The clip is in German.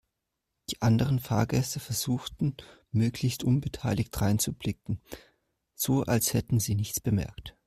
Die anderen Fahrgäste versuchten möglichst unbeteiligt dreinzublicken, so als hätten sie nichts bemerkt.